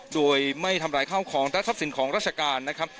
โดยไม่ทำร้ายข้าวของและทรัพย์สินของราชการนะครับ